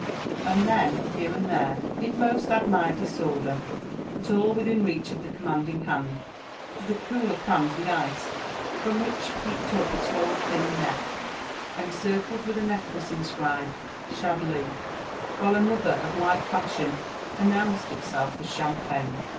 And then, here and there, in most admired disorder, but all within reach of the commanding hand, stood a cooler crammed with Ice, from which peeped up a tall thin neck, encircled with a necklace inscribed <*Cha blis," — while another, of like fashion, announced itself as Champagne.